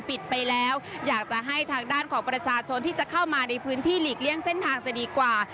ปิดไปแล้วอยากจะให้ทางด้านของประชาชนที่จะเข้ามาในพื้นที่หลีกเลี่ยงเส้นทางจะดีกว่า